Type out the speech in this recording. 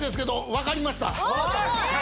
分かりました。